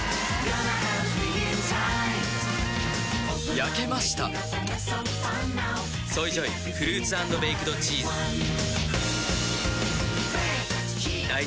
焼けました「ＳＯＹＪＯＹフルーツ＆ベイクドチーズ」ハァ。